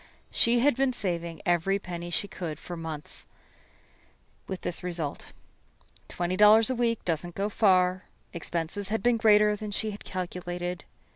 She had been saving every penny she could for months, with this result. Twenty dollars a week doesn't go far. Expenses had been greater than she had calculated.